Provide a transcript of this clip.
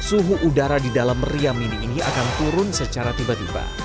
suhu udara di dalam meriam mini ini akan turun secara tiba tiba